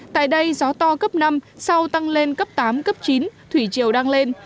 tại đây gió to cấp năm sau tăng lên cấp tám cấp chín thủy chiều đang lên